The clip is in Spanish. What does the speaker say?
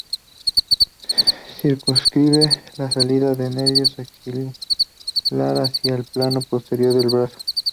Circunscribe la salida del nervio axilar hacia el plano posterior del brazo.